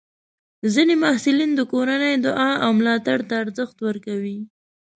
ځینې محصلین د کورنۍ دعا او ملاتړ ته ارزښت ورکوي.